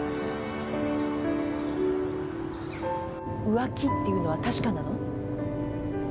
浮気っていうのは確かなの？